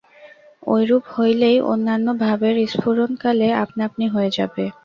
ঐরূপ হলেই অন্যান্য ভাবের স্ফুরণ কালে আপনা-আপনি হয়ে যাবে।